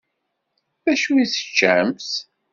Dacu i teččamt?